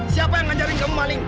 siapa yang nganjari kamu maling